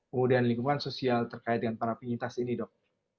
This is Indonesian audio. kemudian lingkungan sosial terkait dengan parapingitas ini dok